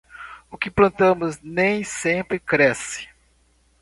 O que plantamos nem sempre cresce.